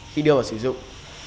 khi đưa vào sử dụng